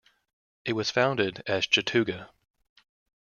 It was founded as Chattooga.